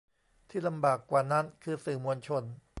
ที่ลำบากกว่านั้นคือสื่อมวลชน